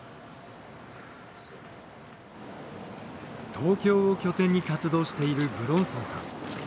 東京を拠点に活動している武論尊さん。